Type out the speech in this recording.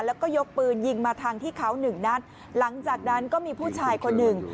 แล้วก็ยกปืนยิงมาทางที่เขาหนึ่งนัดหลังจากนั้นก็มีผู้ชายคนหนึ่ง